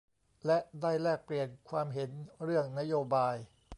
และได้แลกเปลี่ยนความเห็นเรื่องนโยบาย